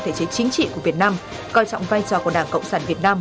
thể chế chính trị của việt nam coi trọng vai trò của đảng cộng sản việt nam